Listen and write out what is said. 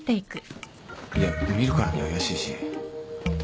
いや見るからに怪しいし。